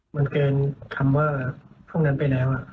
มันเกินคำว่าพวกนั้นไปแล้ว